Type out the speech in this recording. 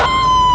nenek jangan bu